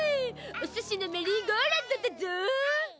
お寿司のメリーゴーラウンドだゾ！